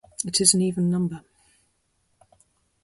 It is an even number.